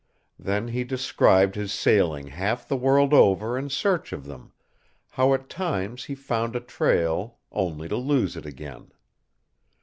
Then he described his sailing half the world over in search of them, how at times he found a trail, only to lose it again.